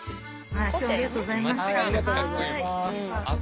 ありがとうございます。